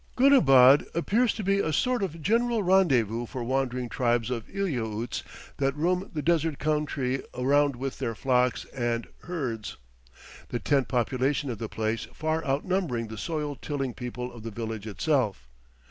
Goonabad appears to be a sort of general rendezvous for wandering tribes of Eliautes that roam the desert country around with their flocks and herds, the tent population of the place far outnumbering the soil tilling people of the village itself.